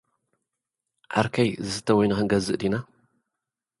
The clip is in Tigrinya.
ዓርከይ፡ ዝስተ ወይኒ ክንገዝእ ዲና?